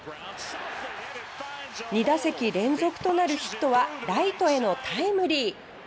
２打席連続となるヒットはライトへのタイムリーヒット。